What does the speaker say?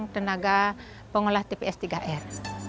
dan juga penolakan tipe tps iii r